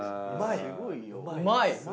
うまい！